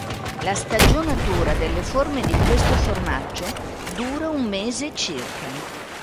La stagionatura delle forme di questo formaggio dura un mese circa.